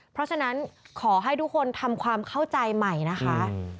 เพราะฉะนั้นขอให้ทุกคนทำความเข้าใจใหม่นะคะ